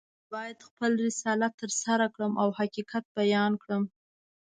زه باید خپل رسالت ترسره کړم او حقیقت بیان کړم.